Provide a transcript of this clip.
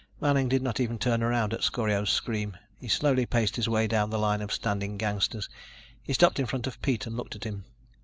Manning did not even turn around at Scorio's scream. He slowly paced his way down the line of standing gangsters. He stopped in front of Pete and looked at him.